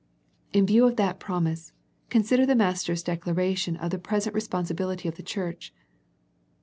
In view of that promise, consider the Mas ter's declaration of the present responsibility of the church.